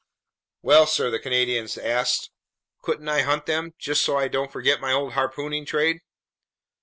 "Well, sir," the Canadian asked, "couldn't I hunt them, just so I don't forget my old harpooning trade?"